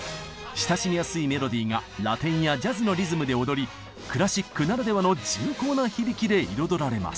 親しみやすいメロディーがラテンやジャズのリズムで踊りクラシックならではの重厚な響きで彩られます。